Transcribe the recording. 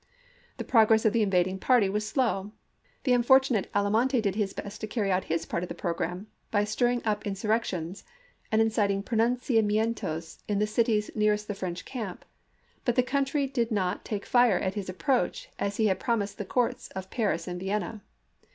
The progress of the invading party was slow. The unfortunate Almonte did his best to carry out his part of the programme by stirring up insurrec tions and inciting pronunciamientos in the cities nearest the French camp, but the country did not 46 ABEAHAM LINCOLN Chap. IT. take fire at his approach as he had promised the courts of Paris and Vienna.